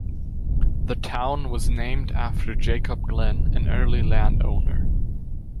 The town was named after Jacob Glen, an early landowner.